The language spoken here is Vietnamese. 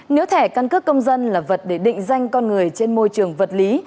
nếu thẻ căn cước công dân là vật để định danh con người trên môi trường vật lý